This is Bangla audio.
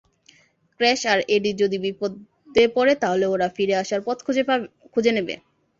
ক্র্যাশ আর এডি যদি বিপদে পড়ে, তাহলে ওরা ফিরে আসার পথ খুঁজে নেবে।